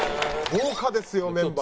豪華ですよメンバー。